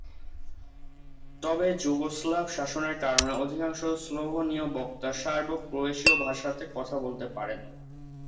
তবে যুগোস্লাভ শাসনের কারণে অধিকাংশ স্লোভেনীয় বক্তা সার্বো-ক্রোয়েশীয় ভাষাতেও কথা বলতে পারেন।